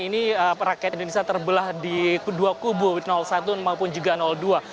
ini rakyat indonesia terbelah di kedua kubu satu maupun juga dua